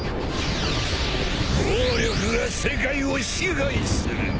暴力が世界を支配する。